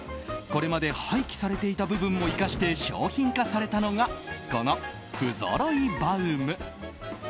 これまで廃棄されていた部分も生かして商品化されたのがこの不揃いバウム。